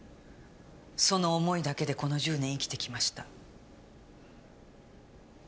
その思いだけでこの１０年生きてきました。